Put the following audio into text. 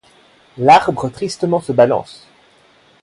L'arbre tristement se balance !